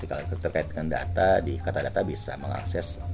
kata data bisa mengakses